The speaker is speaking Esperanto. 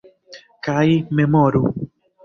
- Kaj memoru!